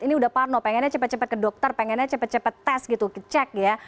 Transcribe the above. ini udah parno pengennya cepat cepat ke dokter pengennya cepat cepat tes gitu kecek ya